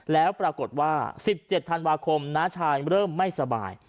แล้วปรากฏว่า๑๗ธันวาคมน้าชายเริ่มไม่สบาย